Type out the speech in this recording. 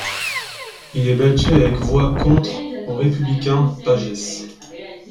Il est battu avec voix contre au républicain Pagès.